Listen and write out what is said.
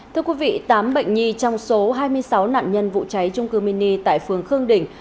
thưa quý vị tám bệnh nhi trong số hai mươi sáu nạn nhân vụ cháy trung cư mini tại phường khương đình